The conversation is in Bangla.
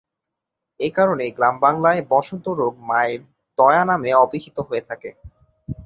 এই কারণেই গ্রামবাংলায় বসন্ত রোগ মায়ের দয়া নামে অভিহিত হয়ে থাকে।